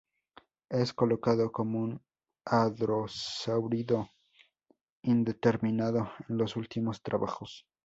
Es colocado como un hadrosáurido indeterminado en los últimos trabajos.